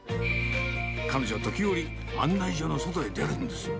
彼女、時折、案内所の外へ出るんですよ。